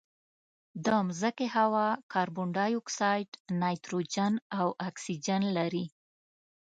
د مځکې هوا کاربن ډای اکسایډ، نایتروجن او اکسیجن لري.